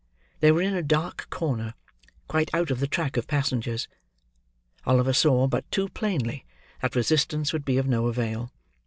They were in a dark corner, quite out of the track of passengers. Oliver saw, but too plainly, that resistance would be of no avail.